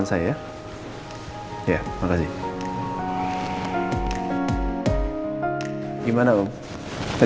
saya udah pantau sama siresen